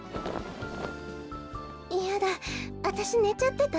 いやだあたしねちゃってた？